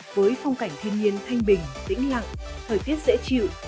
với phong cảnh thiên nhiên thanh bình tĩnh lặng thời tiết dễ chịu